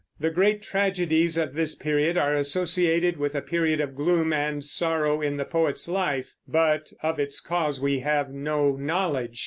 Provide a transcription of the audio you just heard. The great tragedies of this period are associated with a period of gloom and sorrow in the poet's life; but of its cause we have no knowledge.